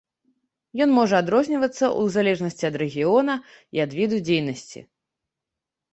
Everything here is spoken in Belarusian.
Ён можа адрозніваецца ў залежнасці ад рэгіёна і ад віду дзейнасці.